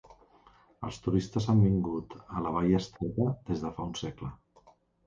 Els turistes han vingut a la vall estreta des de fa un segle.